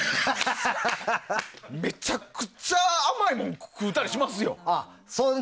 めちゃくちゃ甘いもん食うたりしますよ。